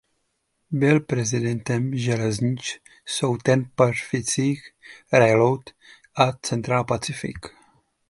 Byl prezidentem železnic Southern Pacific Railroad a Central Pacific.